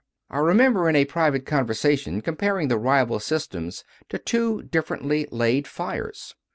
I remember in a private conversation comparing the rival systems to two differently laid fires.